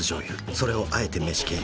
それをあえて飯経由。